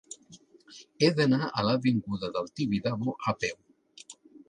He d'anar a l'avinguda del Tibidabo a peu.